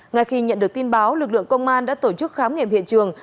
ngay khi nhận được tin báo lực lượng công an đã tổ chức khám nghiệm hiện trường